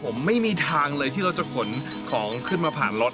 ผมไม่มีทางเลยที่เราจะขนของขึ้นมาผ่านรถ